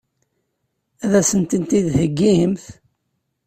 Ad as-tent-id-theggimt?